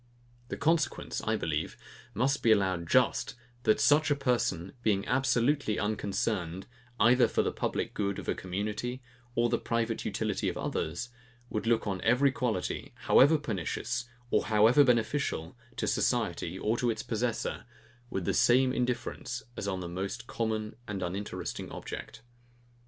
The consequence, I believe, must be allowed just, that such a person, being absolutely unconcerned, either for the public good of a community or the private utility of others, would look on every quality, however pernicious, or however beneficial, to society, or to its possessor, with the same indifference as on the most common and uninteresting object.